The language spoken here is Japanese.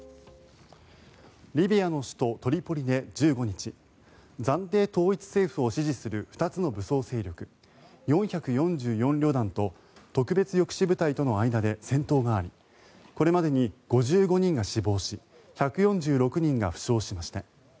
リビアの首都トリポリで１５日暫定統一政府を支持する２つの武装勢力４４４旅団と特別抑止部隊との間で戦闘がありこれまでに５５人が死亡し１４６人が負傷しました。